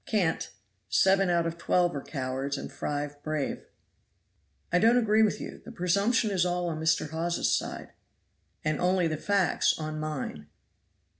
"Cant! seven out of twelve are cowards and five brave." "I don't agree with you. The presumption is all on Mr. Hawes's side." "And only the facts on mine."